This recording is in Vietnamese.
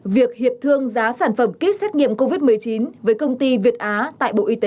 việc hiệp thương giá sản phẩm kit xét nghiệm covid một mươi chín với công ty việt á tại bộ y tế